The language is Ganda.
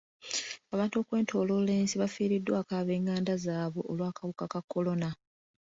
Abantu okwetooloola ensi bafiiriddwako ab'enganda zaabwe olw'akawuka ka kolona.